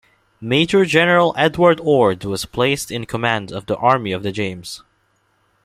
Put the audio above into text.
Major General Edward Ord was placed in command of the Army of the James.